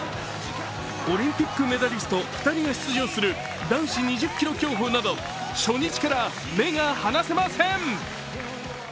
オリンピックメダリスト２人が出場する男子２０ｋｍ競歩など初日から目が離せません。